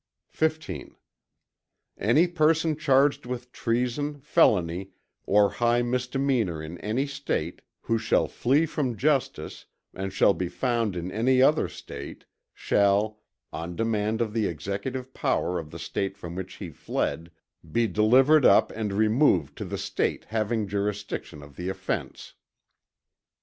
XV Any person charged with treason, felony, or high misdemeanor in any State, who shall flee from justice, and shall be found in any other State, shall, on demand of the Executive Power of the State from which he fled, be delivered up and removed to the State having jurisdiction of the offence.